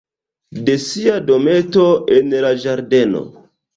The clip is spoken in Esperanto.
De sia dometo en la ĝardeno.